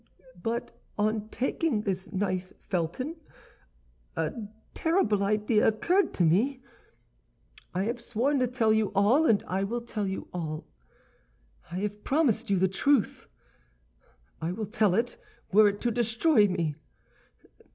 "But on taking this knife, Felton, a terrible idea occurred to me. I have sworn to tell you all, and I will tell you all. I have promised you the truth; I will tell it, were it to destroy me."